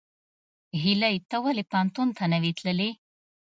هیلۍ ته ولې پوهنتون ته نه وې تللې؟